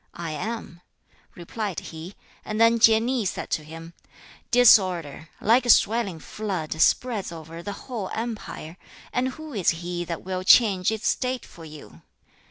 'I am,' replied he, and then Chieh ni said to him, 'Disorder, like a swelling flood, spreads over the whole empire, and who is he that will change its state for you?